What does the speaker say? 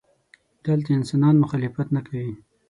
دلته انسانان مخالفت نه کوي.